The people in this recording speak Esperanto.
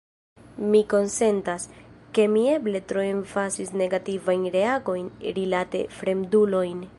Mi konsentas, ke mi eble tro emfazis negativajn reagojn rilate fremdulojn.